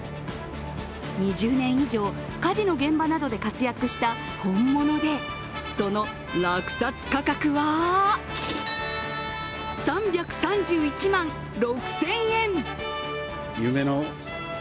２０年以上、火事の現場などで活躍した本物で、その落札価格は３３１万６０００円！